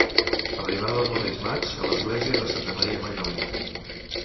Arribada dels Reis Mags a l'església de Santa Maria Magdalena.